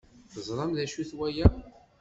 Teẓram d acu-t waya?